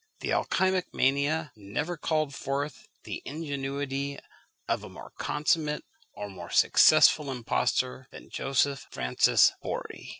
The alchymic mania never called forth the ingenuity of a more consummate or more successful impostor than Joseph Francis Borri.